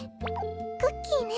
クッキーね。